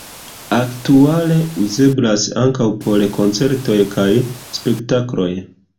Aktuale uzeblas ankaŭ por koncertoj kaj spektakloj.